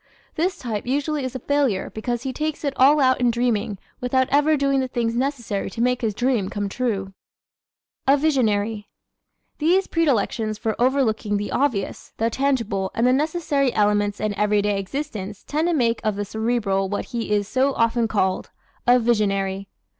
This type usually is a failure because he takes it all out in dreaming without ever doing the things necessary to make his dream come true. A "Visionary" ¶ These predilections for overlooking the obvious, the tangible and the necessary elements in everyday existence tend to make of the Cerebral what he is so often called a "visionary."